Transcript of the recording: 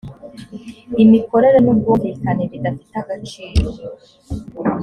imikorere n ubwumvikane bidafite agaciro